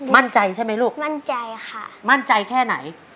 มั่นใจใช่ไหมลูกมั่นใจค่ะมั่นใจแค่ไหน